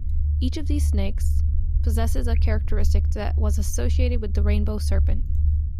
Each of these snakes possesses a characteristic that was associated with the Rainbow Serpent.